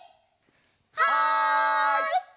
はい！